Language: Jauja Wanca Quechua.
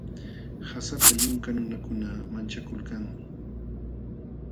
Qasata yunka nunakuna manchakulkanmi.